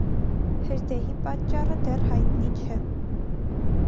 Հրդեհի պատճառը դեռ հայտնի չէ։